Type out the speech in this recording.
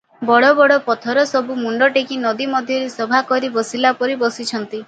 ବଡ଼ ବଡ଼ ପଥର ସବୁ ମୁଣ୍ଡ ଟେକି ନଦୀମଧ୍ୟରେ ସଭା କରି ବସିଲା ପରି ବସିଛନ୍ତି ।